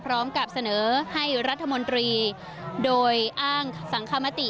พร้อมกับเสนอให้รัฐมนตรีโดยอ้างสังคมติ